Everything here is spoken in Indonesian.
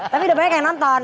tapi udah banyak yang nonton